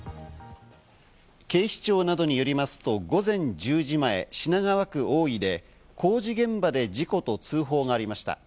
警視庁などによりますと午前１０時前、品川区大井で工事現場で事故と通報がありました。